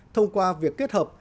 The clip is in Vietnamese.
thông qua việc kết hợp